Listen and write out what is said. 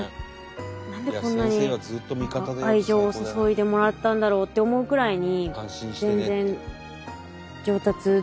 何でこんなに愛情を注いでもらったんだろうって思うくらいに。